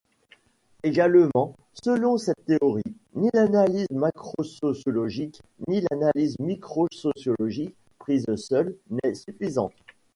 Également, selon cette théorie, ni l'analyse macrosociologique, ni l'analyse microsociologique, prise seule, n'est suffisante.